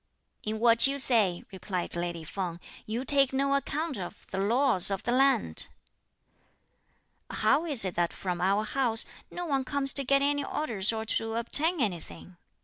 "In what you say," replied lady Feng, "you take no account of the laws of the land." "How is it that from our house, no one comes to get any orders or to obtain anything?"